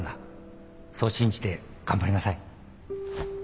そう信じて頑張りなさい。